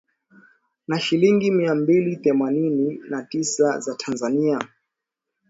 Na shilingi mia mbili themanini na tisa za Tanzania